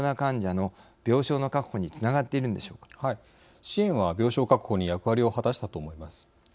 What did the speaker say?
支援は病床確保に役割を果たしたと思います。